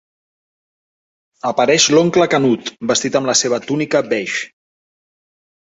Apareix l'oncle Canut, vestit amb la seva túnica beix.